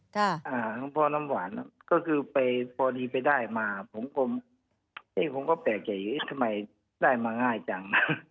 ของพ่อน้ำหวานก็คือไปพอดีไปได้มาผมก็แปลกใจเอ๊ะทำไมได้มาง่ายจัง